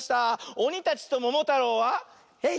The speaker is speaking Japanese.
おにたちとももたろうは「えい！